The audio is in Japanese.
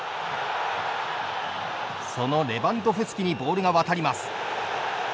そのレバンドフスキにボールが渡ります。